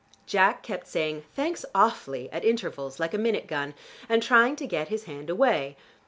Jack kept saying "Thanks awfully" at intervals, like a minute gun, and trying to get his hand away.